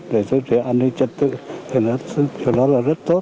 để giúp đỡ an ninh trận tựa thì đó là rất tốt